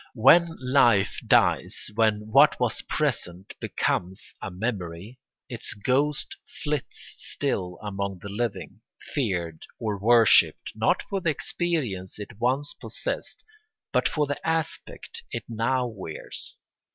When life dies, when what was present becomes a memory, its ghost flits still among the living, feared or worshipped not for the experience it once possessed but for the aspect it now wears.